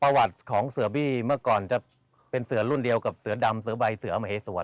ประวัติของเสือบี้เมื่อก่อนจะเป็นเสือรุ่นเดียวกับเสือดำเสือใบเสือมเหสวย